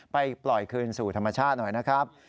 ไปปล่อยคืนสู่ธรรมชาติหน่อยนะครับ